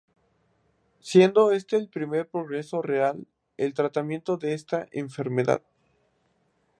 Siendo este el primer progreso real para el tratamiento de esta enfermedad.